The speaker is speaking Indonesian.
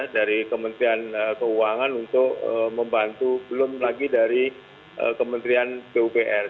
dari kementerian keuangan untuk membantu belum lagi dari kementerian pupr